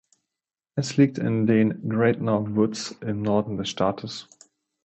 Es liegt in den „Great North Woods“ im Norden des Staates.